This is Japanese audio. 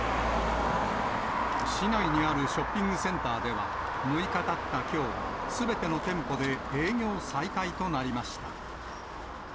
市内にあるショッピングセンターでは、６日たったきょう、すべての店舗で営業再開となりました。